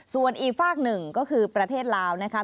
ส่วนอีกฝากหนึ่งก็คือประเทศลาวนะคะ